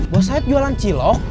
bos sayap jualan cilok